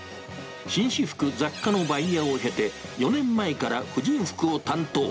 紳士服、雑貨のバイヤーを経て、４年前から婦人服を担当。